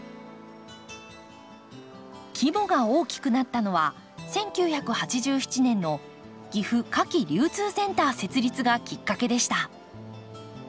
規模が大きくなったのは１９８７年の岐阜花き流通センター設立がきっかけでした。